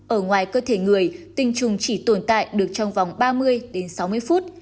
ở ngoài cơ thể người tinh trùng chỉ tồn tại được trong vòng ba mươi đến sáu mươi phút